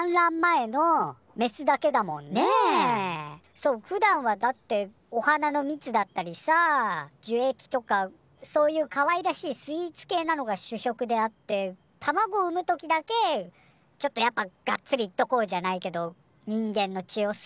そうふだんはだってお花のミツだったりさ樹液とかそういうかわいらしいスイーツ系なのが主食であって卵を産むときだけちょっとやっぱガッツリいっとこうじゃないけど人間の血をさ。